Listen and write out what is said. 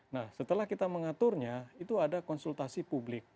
nah setelah kita mengaturnya itu ada konsultasi publik